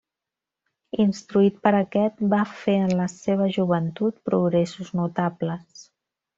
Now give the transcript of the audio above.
Instruït per aquest va fer en la seva joventut progressos notables.